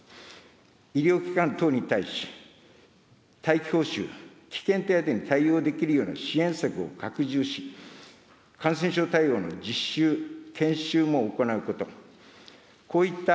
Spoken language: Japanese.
医療機関等に対し、待機報酬・危険手当に対応できるような支援策を拡充し、感染症対応の実習、研修も行うこと。